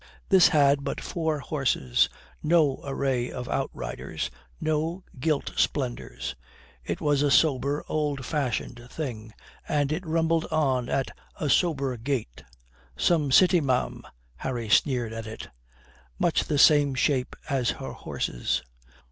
This had but four horses, no array of outriders, no gilt splendours. It was a sober, old fashioned thing, and it rumbled on at a sober gait. "Some city ma'am," Harry sneered at it, "much the same shape as her horses."